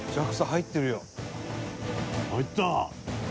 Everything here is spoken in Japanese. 「入った！」